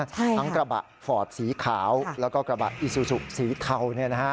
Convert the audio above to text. ทั้งกระบะฟอร์ดสีขาวแล้วก็กระบะอิซูซูสีเทา